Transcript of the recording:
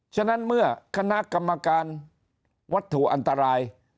ฉะนั้นเมื่อคณะกรรมการวัตถุอันตราย